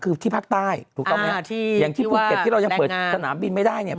คือที่ภาคใต้ถูกต้องไหมอย่างที่ภูเก็ตที่เรายังเปิดสนามบินไม่ได้เนี่ย